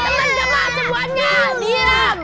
teman teman semuanya diam